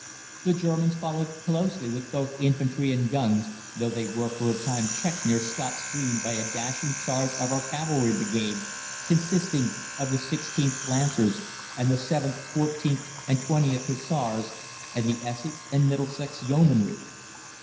The Germans followed closely with both infantry and guns, though they were for a time checked near Scot's Green by a dashing charge of our cavalry brigade, consisting of the 16th Lancers and the 7th, 14th, and 20th Hussars, and the Essex and Middlesex Yeomanry.